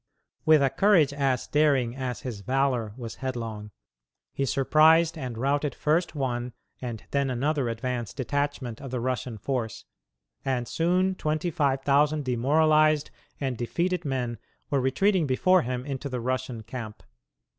With a courage as daring as his valor was headlong, he surprised and routed first one and then another advance detachment of the Russian force, and soon twenty five thousand demoralized and defeated men were retreating before him into the Russian camp.